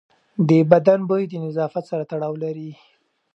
د بدن بوی د نظافت سره تړاو لري.